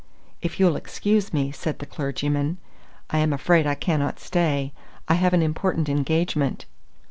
"If you'll excuse me," said the clergyman, "I am afraid I cannot stay. I have an important engagement."